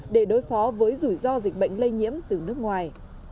để đối phó với rủi ro dịch bệnh lây nhiễm từ nước ngoài